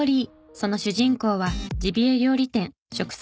その主人公はジビエ料理店食彩